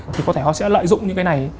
thì có thể họ sẽ lợi dụng những cái này